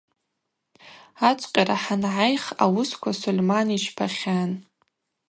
Ачвкъьара хӏангӏайх ауысква Сольман йчпахьан.